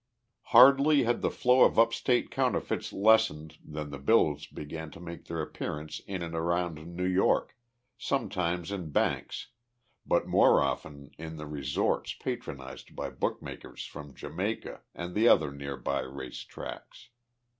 Hardly had the flow of upstate counterfeits lessened than the bills began to make their appearance in and around New York, sometimes in banks, but more often in the resorts patronized by bookmakers from Jamaica and the other near by race tracks.